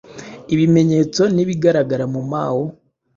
ibimenyeto nibigaragara mumao